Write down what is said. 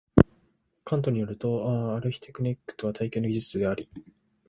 カントに依ると、アルヒテクトニックとは「体系の技術」であり、